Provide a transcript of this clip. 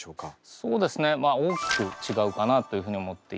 そうですねまあ大きく違うかなというふうに思っていて。